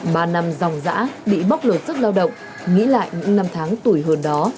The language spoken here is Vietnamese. ba năm dòng giã bị bóc lột sức lao động nghĩ lại những năm tháng tuổi hơn đó